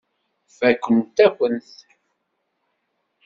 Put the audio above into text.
Fakkent-akent-t.